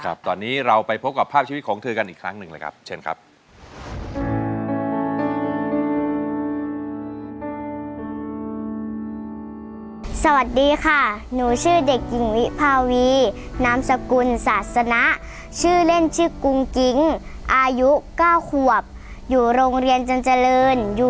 ครับตอนนี้เราไปพบกับภาพชีวิตของเธอกันอีกครั้งหนึ่งเลยครับเชิญครับ